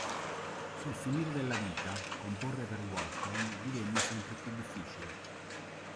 Sul finire della vita, comporre per Walton divenne sempre più difficile.